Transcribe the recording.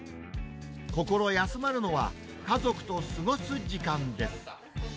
心休まるのは家族と過ごす時間です。